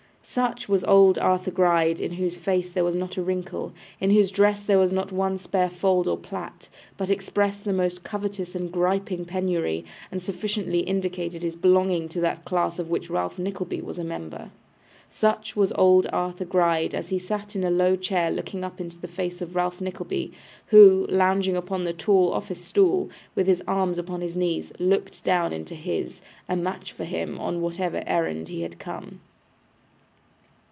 Such was old Arthur Gride, in whose face there was not a wrinkle, in whose dress there was not one spare fold or plait, but expressed the most covetous and griping penury, and sufficiently indicated his belonging to that class of which Ralph Nickleby was a member. Such was old Arthur Gride, as he sat in a low chair looking up into the face of Ralph Nickleby, who, lounging upon the tall office stool, with his arms upon his knees, looked down into his; a match for him on whatever errand he had come.